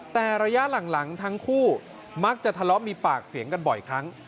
แต่ระยะหลังทั้งคู่มักจะทะเลาะมีปากเสียงกันบ่อยครั้ง